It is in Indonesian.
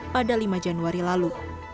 pada lima januari lalu